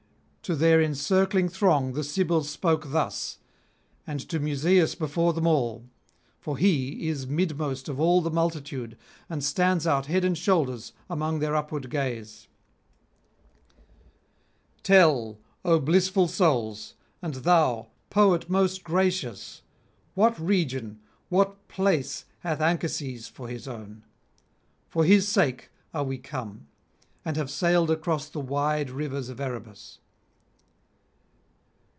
To their encircling throng the Sibyl spoke thus, and to Musaeus before them all; for he is midmost of all the multitude, and stands out head and shoulders among their upward gaze: 'Tell, O blissful souls, and thou, poet most gracious, what region, what place hath Anchises for his own? For his sake are we come, and have sailed across the wide rivers of Erebus.'